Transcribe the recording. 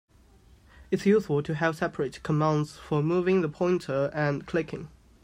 It's useful to have separate commands for moving the pointer and clicking.